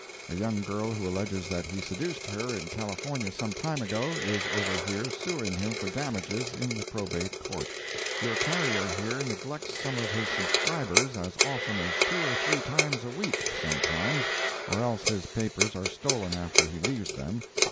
A young girl who alleges that he seduced her in California some time ago, is over here suing him for damages in the Probate Court. Your carrier here neglects some of his subscribers as often as two or three times a week, sometimes, or else his papers are stolen after he leaves them.